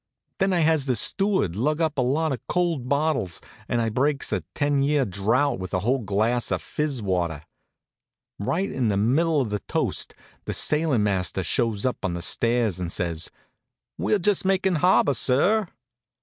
Then I has the steward lug up a lot of cold bottles and I breaks a ten year drouth with a whole glass of fizz water. Right in the middle of the toast the sailin' master shows up on the stairs and says: "We're just makin' the harbor, sir."